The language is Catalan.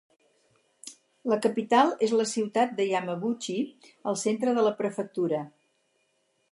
La capital és la ciutat de Yamaguchi al centre de la prefectura.